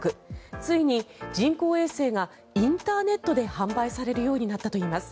ついに人工衛星がインターネットで販売されるようになったといいます。